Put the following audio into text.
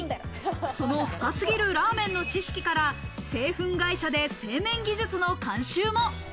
その深すぎるラーメンの知識から製粉会社で製麺技術の監修も。